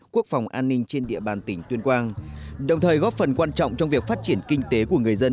quốc phòng an ninh trên địa bàn tỉnh tuyên quang đồng thời góp phần quan trọng trong việc phát triển kinh tế của người dân